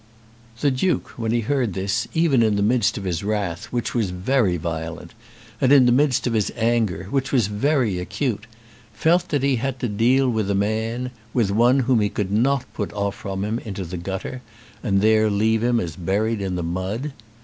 The Duke, when he heard this, even in the midst of his wrath, which was very violent, and in the midst of his anger, which was very acute, felt that he had to deal with a man, with one whom he could not put off from him into the gutter, and there leave as buried in the mud.